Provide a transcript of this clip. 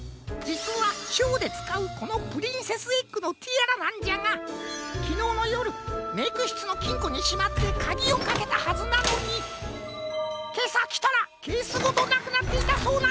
じつはショーでつかうこのプリンセスエッグのティアラなんじゃがきのうのよるメイクしつのきんこにしまってかぎをかけたはずなのにけさきたらケースごとなくなっていたそうなんじゃ。